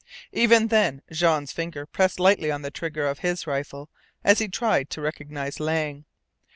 Even then Jean's finger pressed lightly on the trigger of his rifle as he tried to recognize Lang.